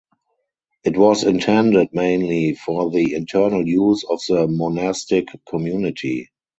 It was intended mainly for the internal use of the monastic community.